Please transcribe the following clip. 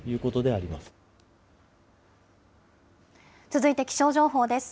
続いて気象情報です。